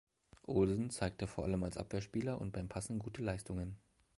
Olsson zeigte vor allem als Abwehrspieler und beim Passen gute Leistungen.